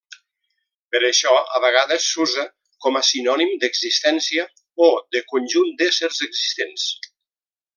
Per això a vegades s'usa com a sinònim d'existència, o de conjunt d'éssers existents.